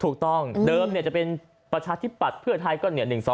ถูกต้องเดิมจะเป็นประชาธิปัตย์เพื่อไทยก็๑๒